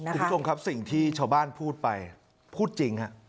อีกทุกคนครับสิ่งที่ชาวบ้านพูดไปพูดจริง